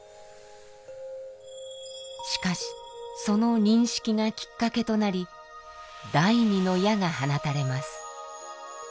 しかしその認識がきっかけとなり第２の矢が放たれます。